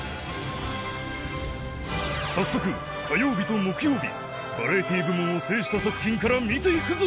早速火曜日と木曜日バラエティー部門を制した作品から見ていくぞ！